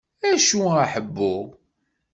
Acu a ḥebbu?